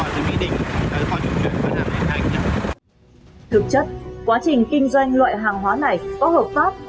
thực chất quá trình kinh doanh loại hàng hóa này có hợp pháp